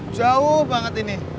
jauh banget ini